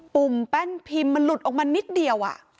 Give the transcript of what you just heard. ุ่มแป้นพิมพ์มันหลุดออกมานิดเดียว